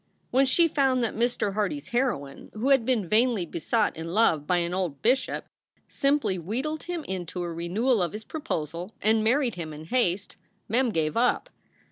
When she found that Mr. Hardy s heroine, who had been vainly besought in love by an old bishop, simply wheedled him into a renewal of his proposal and married him in haste, Mem gave up.